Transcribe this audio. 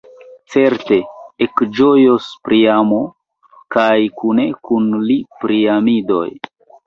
Certe, ekĝojos Priamo kaj kune kun li Priamidoj.